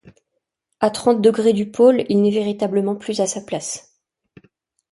À trente degrés du pôle, il n’est véritablement plus à sa place!